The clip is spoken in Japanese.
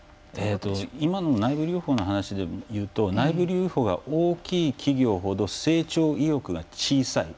今の内部留保の話で言うと内部留保が大きい企業ほど成長意欲が小さい。